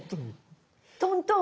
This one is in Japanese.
トントン。